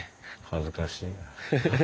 恥ずかしいや。